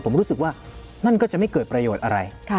ผมรู้สึกว่านั่นก็จะไม่เกิดประโยชน์อะไร